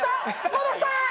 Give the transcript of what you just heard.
戻したーっ！